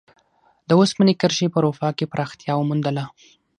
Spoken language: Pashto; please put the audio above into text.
د اوسپنې کرښې په اروپا کې پراختیا وموندله.